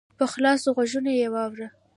په خلاصو غوږو یې واوره !